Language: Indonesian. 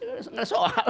gak ada soal